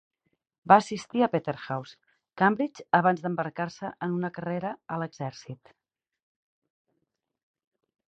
Va assistir a Peterhouse, Cambridge abans d'embarcar-se en una carrera a l'exèrcit.